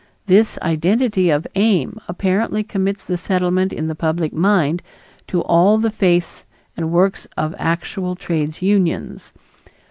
This identity of aim apparently commits the Settlement in the public mind to all the faiths and works of actual trades unions.